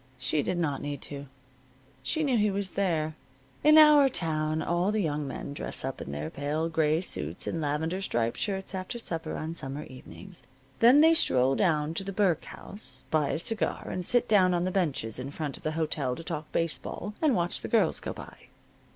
She did not need to. She knew he was there. In our town all the young men dress up in their pale gray suits and lavender striped shirts after supper on summer evenings. Then they stroll down to the Burke House, buy a cigar and sit down on the benches in front of the hotel to talk baseball and watch the girls go by.